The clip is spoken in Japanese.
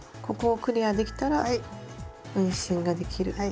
ここをクリアできたら運針ができる。